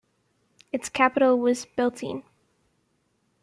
Its capital was Biltine.